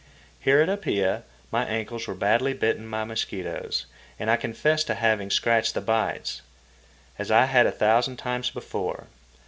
Here at Apia my ankles were badly bitten by mosquitoes, and I confess to having scratched the bites—as I had a thousand times before.